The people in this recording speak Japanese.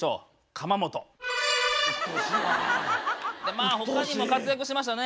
まあ他にも活躍しましたね。